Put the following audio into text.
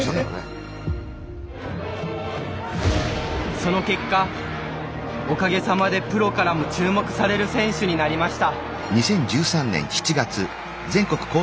その結果おかげさまでプロからも注目される選手になりました。